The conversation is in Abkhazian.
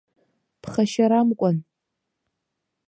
Ԥхашьарамкәан.